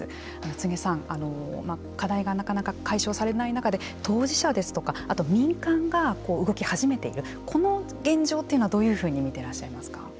柘植さん、課題がなかなか解消されない中で当事者ですとかあと民間が動き始めているこの現状というのはどういうふうに見ていらっしゃいますか。